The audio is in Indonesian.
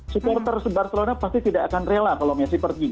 supporter barcelona pasti tidak akan rela kalau messi pergi